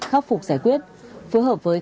khắc phục giải quyết phối hợp với